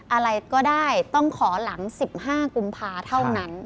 อะไรก็ได้ต้องขอหลัง๑๕กุมภาเท่านั้น